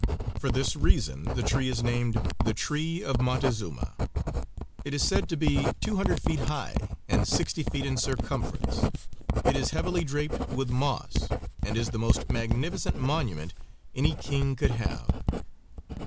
For this reason the tree is named "The Tree of Montezuma." It is said to be two hundred feet high and sixty feet in circumference. It is heavily draped with moss, and is the most magnificent monument any king could have.